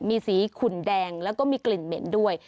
มีสีขุนแดงแล้วก็มีกลิ่นเหม็นด้วย